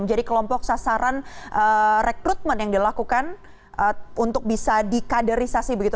menjadi kelompok sasaran rekrutmen yang dilakukan untuk bisa dikaderisasi begitu